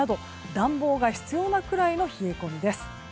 暖房が必要なくらいの冷え込みです。